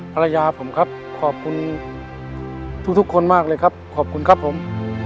ภรรยาผมครับขอบคุณทุกคนมากเลยครับขอบคุณครับผม